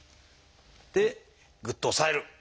でぐっと押さえる。